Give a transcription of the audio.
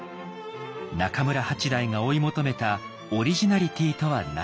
中村八大が追い求めたオリジナリティーとは何か。